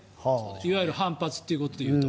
いわゆる反発ということでいうと。